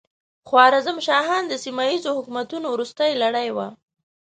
خوارزم شاهان د سیمه ییزو حکومتونو وروستۍ لړۍ وه.